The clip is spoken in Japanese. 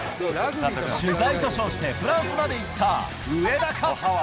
取材と称してフランスまで行った上田か？